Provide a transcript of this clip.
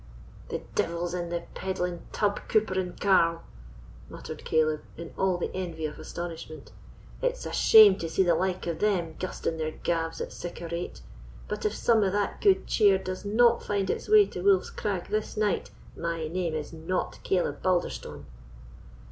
"The devil's in the peddling tub coopering carl!" muttered Caleb, in all the envy of astonishment; "it's a shame to see the like o' them gusting their gabs at sic a rate. But if some o' that gude cheer does not find its way to Wolf's Crag this night, my name is not Caleb Balderstone."